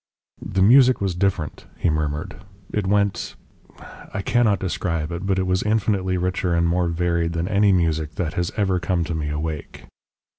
"The music was different," he murmured. "It went I cannot describe it; but it was infinitely richer and more varied than any music that has ever come to me awake.